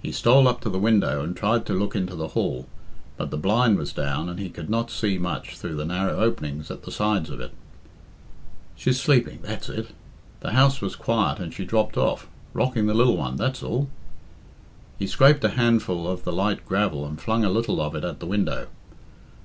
He stole up to the window and tried to look into the hall, but the blind was down, and he could not see much through the narrow openings at the sides of it. "She's sleeping, that's it. The house was quiet and she dropped off, rocking the lil one, that's all." He scraped a handful of the light gravel and flung a little of it at the window.